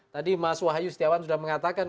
tadi mas wahyu setiawan sudah mengatakan